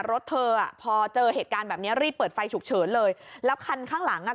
รถเธออ่ะพอเจอเหตุการณ์แบบนี้รีบเปิดไฟฉุกเฉินเลยแล้วคันข้างหลังอ่ะ